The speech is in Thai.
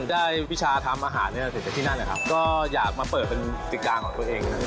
ได้พิชาทำอาหารเนี่ยเสร็จจากที่นั่นเลยครับก็อยากมาเปิดเป็นสิกาก่อนตัวเองนะ